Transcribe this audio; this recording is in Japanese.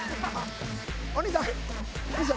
お兄さん！